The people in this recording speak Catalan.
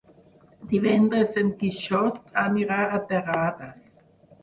Divendres en Quixot anirà a Terrades.